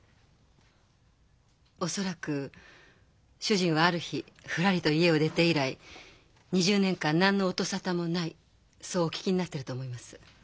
恐らく主人はある日ふらりと家を出て以来２０年間何の音沙汰もないそうお聞きになってると思います。